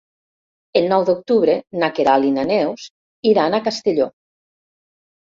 El nou d'octubre na Queralt i na Neus iran a Castelló.